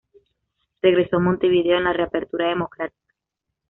Regresó a Montevideo en la reapertura democrática.